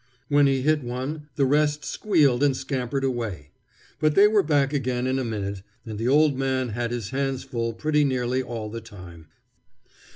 When he hit one, the rest squealed and scampered away; but they were back again in a minute, and the old man had his hands full pretty nearly all the time.